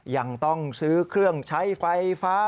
ยังต้องซื้อเครื่องใช้ไฟฟ้า